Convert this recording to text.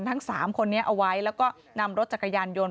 ทั้ง๓คนนี้เอาไว้แล้วก็นำรถจักรยานยนต์